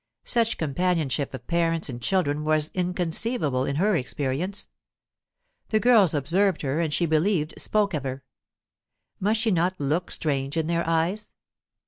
Such companionship of parents and children was inconceivable in her experience. The girls observed her, and, she believed, spoke of her. Must she not look strange in their eyes?